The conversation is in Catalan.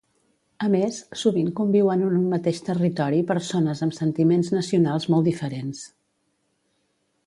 A més, sovint conviuen en un mateix territori persones amb sentiments nacionals molt diferents.